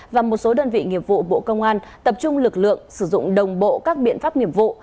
và một số đơn vị nghiệp vụ bộ công an tập trung lực lượng sử dụng đồng bộ các biện pháp nghiệp vụ